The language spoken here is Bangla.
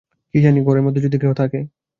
কী জানি ঘরের মধ্যে যদি কেহ থাকে।